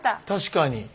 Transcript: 確かに。